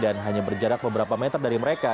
dan hanya berjarak beberapa meter dari mereka